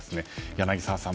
柳澤さん